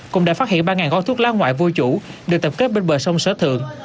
cũng đã phát hiện ba gói thuốc lá ngoại vô chủ được tập kết bên bờ sông sở thượng